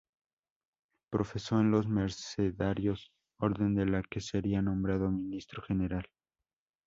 Profesó en los Mercedarios, orden de la que sería nombrado ministro general.